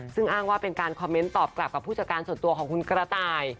ซึ่งอ้างว่าเป็นการคอมเมนต์ตอบกลับกับผู้จัดการส่วนตัวของคุณกระต่าย